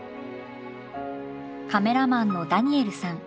カメラマンのダニエルさん。